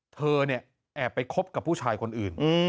เธอเนี่ยแอบไปคบกับผู้ชายคนอื่น